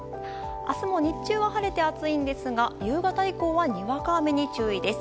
明日も日中は晴れて暑いですが夕方以降は、にわか雨に注意です。